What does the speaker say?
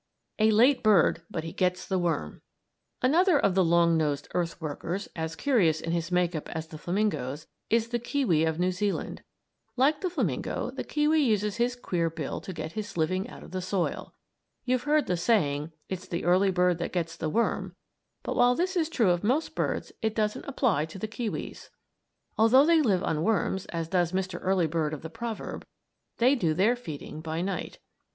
] A LATE BIRD, BUT HE GETS THE WORM Another of the long nosed earth workers, as curious in his make up as the flamingoes, is the kiwi of New Zealand. Like the flamingo, the kiwi uses his queer bill to get his living out of the soil. You've heard the saying "it's the early bird that gets the worm"; but while this is true of most birds it doesn't apply to the kiwis. Although they live on worms, as does Mr. Early Bird of the proverb, they do their feeding by night.